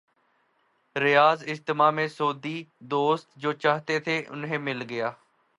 ریاض اجتماع میں سعودی دوست جو چاہتے تھے، انہیں مل گیا۔